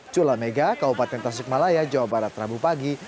cula mega kaupaten tasik malaya jawa barat rabu pagi